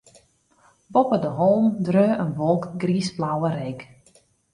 Boppe de hollen dreau in wolk griisblauwe reek.